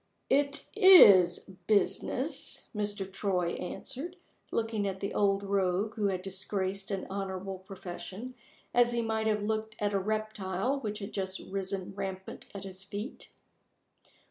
"It is business," Mr. Troy answered, looking at the old rogue who had disgraced an honorable profession, as he might have looked at a reptile which had just risen rampant at his feet.